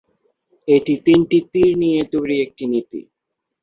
এটি তিনটি "তীর" নিয়ে তৈরি একটি নীতি।